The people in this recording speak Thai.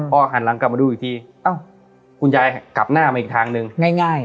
พอหันหลังกลับมาดูอีกทีเอ้าคุณยายกลับหน้ามาอีกทางนึงง่าย